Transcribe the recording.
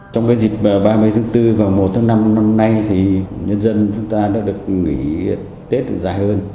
trong dịp ba mươi tháng bốn và một tháng năm năm nay nhân dân chúng ta đã được nghỉ tết dài hơn